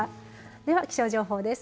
では、気象情報です。